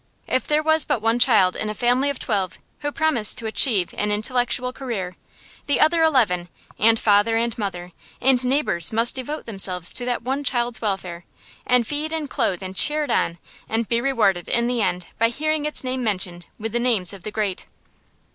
If there was but one child in a family of twelve who promised to achieve an intellectual career, the other eleven, and father, and mother, and neighbors must devote themselves to that one child's welfare, and feed and clothe and cheer it on, and be rewarded in the end by hearing its name mentioned with the names of the great.